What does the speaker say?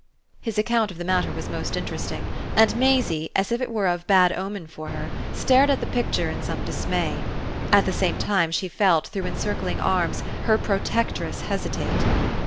His account of the matter was most interesting, and Maisie, as if it were of bad omen for her, stared at the picture in some dismay. At the same time she felt, through encircling arms, her protectress hesitate.